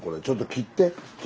ちょっと切って。